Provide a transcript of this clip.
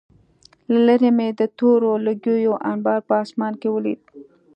له لېرې مې د تورو لوګیو انبار په آسمان کې ولید